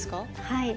はい。